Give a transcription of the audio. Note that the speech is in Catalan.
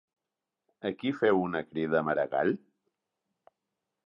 A qui feu una crida Maragall?